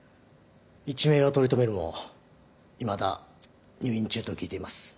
一命は取り留めるもいまだ入院中と聞いています。